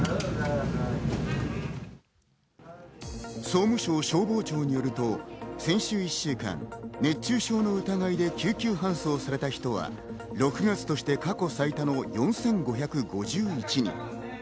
総務省消防庁によると、先週１週間、熱中症の疑いで救急搬送された人は６月として過去最多の４５５１人。